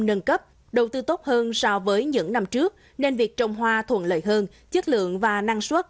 nâng cấp đầu tư tốt hơn so với những năm trước nên việc trồng hoa thuận lợi hơn chất lượng và năng suất